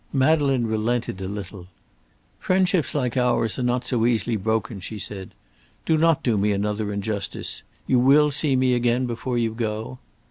Madeleine relented a little: "Friendships like ours are not so easily broken," she said. "Do not do me another injustice. You will see me again before you go?"